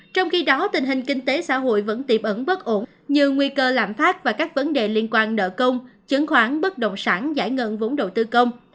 trong khi đó tình hình kinh tế xã hội vẫn tiềm ẩn bất ổn như nguy cơ lạm phát và các vấn đề liên quan nợ công chứng khoán bất động sản giải ngân vốn đầu tư công